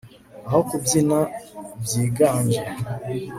Aho kubyina byiganje